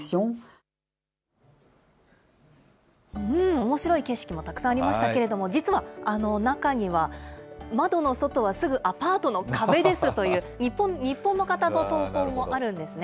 おもしろい景色もたくさんありましたけれども、実は中には、窓の外はすぐアパートの壁ですという、日本の方の投稿もあるんですね。